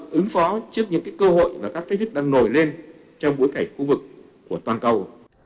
hãy ứng phó trước những cơ hội và các kết thúc đang nổi lên trong bối cảnh khu vực của toàn cầu